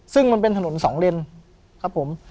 ซึ่งมันเป็นถนนสองเลนครับผม